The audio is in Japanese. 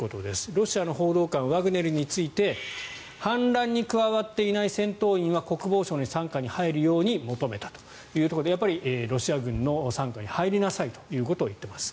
ロシアの報道官はワグネルについて反乱に加わっていない戦闘員は国防省の傘下に入るように求めたということでやっぱりロシア軍の傘下に入りなさいということを言ってます。